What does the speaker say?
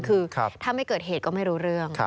คือถ้าไม่เกิดเหตุก็ไม่รู้เรื่อง